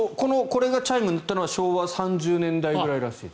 これがチャイムになったのは昭和３０年代くらいらしい。